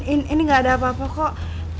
ini gak ada apa apa kok